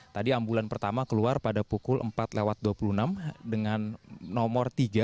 tadi ambulan pertama keluar pada pukul empat lewat dua puluh enam dengan nomor tiga